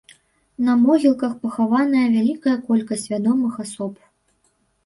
На могілках пахаваная вялікая колькасць вядомых асоб.